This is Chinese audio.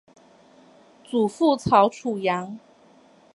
祖父曹楚阳。